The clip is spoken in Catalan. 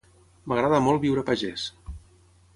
M'agrada molt viure a pagès